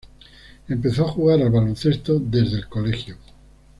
Empezó a jugar al baloncesto desde el colegio.